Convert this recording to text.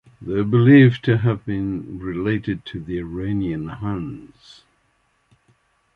They are believed to have been related to the Iranian Huns.